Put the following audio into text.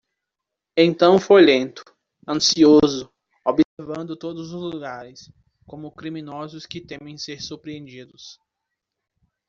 Então foi lento, ansioso, observando todos os lugares, como criminosos que temem ser surpreendidos.